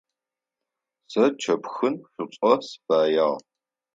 Сэ кӏэпхын шӏуцӏэ сыфэягъ.